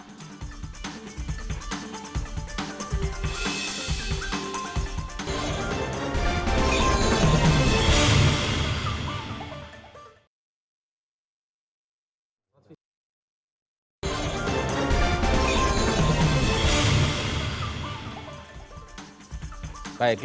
terima kasih pak henry